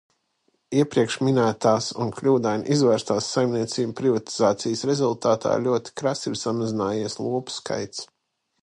Iepriekšminētās un kļūdaini izvērstās saimniecību privatizācijas rezultātā ļoti krasi ir samazinājies lopu skaits.